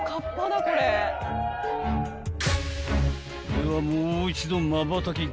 ［ではもう一度まばたき厳禁］